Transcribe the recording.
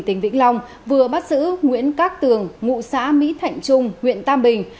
tỉnh vĩnh long vừa bắt giữ nguyễn các tường ngụ xã mỹ thạnh trung huyện tam bình